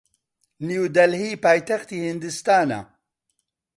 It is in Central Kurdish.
نیودەلهی پایتەختی هیندستانە.